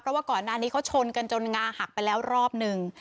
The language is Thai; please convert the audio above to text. เพราะว่าก่อนหน้านี้เขาชนกันจนงาหักไปแล้วรอบหนึ่ง